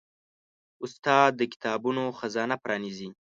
استاد د کتابونو خزانه پرانیزي.